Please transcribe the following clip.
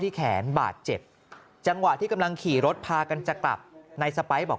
แขนบาดเจ็บจังหวะที่กำลังขี่รถพากันจะกลับนายสไปร์บอก